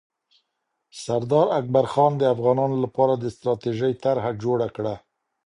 سردار اکبرخان د افغانانو لپاره د ستراتیژۍ طرحه جوړه کړه.